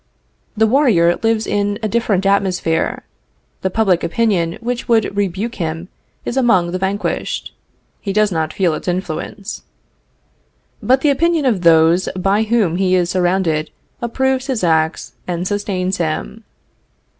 The warrior lives in a different atmosphere. The public opinion which would rebuke him is among the vanquished. He does not feel its influence. But the opinion of those by whom he is surrounded approves his acts and sustains him.